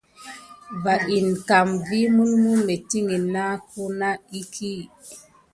Va ina kam vi mulmu mitkine nat kuma iki.